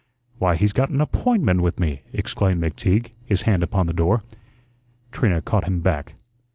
"Why, he's got an APPOINTMENT with me," exclaimed McTeague, his hand upon the door. Trina caught him back.